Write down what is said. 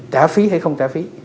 trả phí hay không trả phí